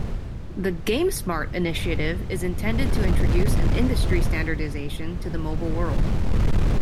The "GameSmart" initiative is intended to introduce an industry standardization to the mobile world.